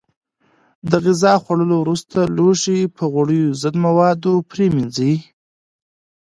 د غذا خوړلو وروسته لوښي په غوړیو ضد موادو پرېمنځئ.